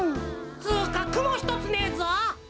つかくもひとつねえぞ！